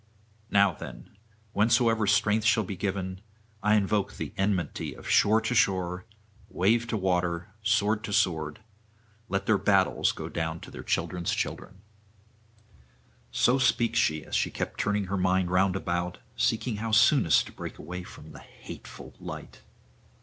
Now, then, whensoever strength shall be given, I invoke the enmity of shore to shore, wave to water, sword to sword; let their battles go down to their children's children.' So speaks she as she kept turning her mind round about, seeking how soonest to break away from the hateful light.